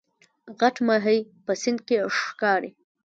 غټ ماهی په سیند کې ښکاري